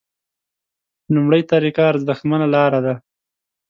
لومړۍ طریقه ارزښتمنه لاره ده.